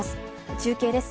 中継です。